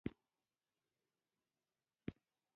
قومونه د ټولو افغانانو د تفریح لپاره یوه ګټوره وسیله ده.